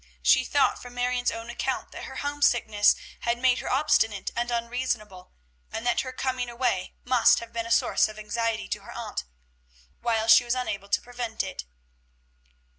She thought from Marion's own account that her homesickness had made her obstinate and unreasonable, and that her coming away must have been a source of anxiety to her aunt, while she was unable to prevent it.